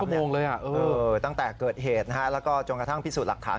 แล้วก็เขาก็ยิงโต๊ะเออเอาคือทางทางคนที่อยู่ในรถเก่ง